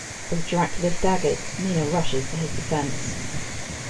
As Dracula staggers, Mina rushes to his defense.